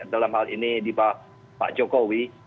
dalam hal ini di pak jokowi